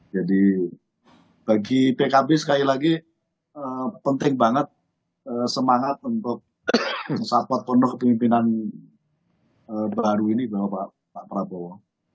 jadi bagi pkb sekali lagi penting banget semangat untuk support pendukung pemimpinan baru ini pak prabowo